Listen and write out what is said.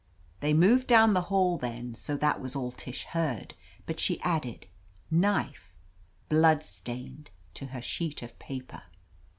They moved down the hall then, so that was all Tish heard. But she added, "Knife, blood stained," to her sheet of paper.